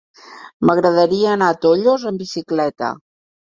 M'agradaria anar a Tollos amb bicicleta.